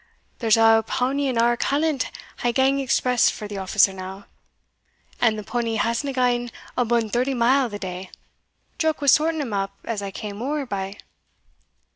there's our powny and our callant hae gane express for the office or now, and the powny hasna gane abune thirty mile the day; Jock was sorting him up as I came ower by."